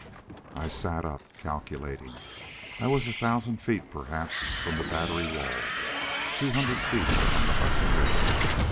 I sat up, calculating. I was a thousand feet perhaps from the Battery wall, two hundred feet from the Hudson River.